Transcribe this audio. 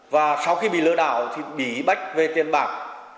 và sau khi bị lừa đảo thì bị bách về tiền bạc